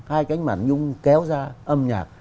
hai cánh màn nhung kéo ra âm nhạc